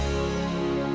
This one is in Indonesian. sampai jumpa pak rt